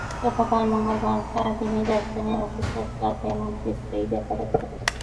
গতকাল মঙ্গলবার সারা দিনই রাজধানীর অফিসার্স ক্লাবে এমন চিত্রই দেখা গেছে।